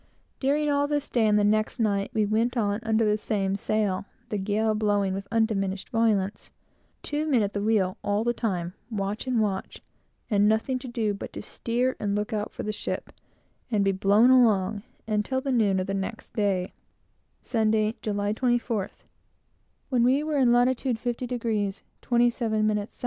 During all this day and the next night, we went on under the same sail, the gale blowing with undiminished force; two men at the wheel all the time; watch and watch, and nothing to do but to steer and look out for the ship, and be blown along; until the noon of the next day Sunday, July 24th, when we were in latitude 50° 27' S.